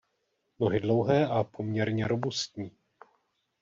Nohy dlouhé a poměrně robustní.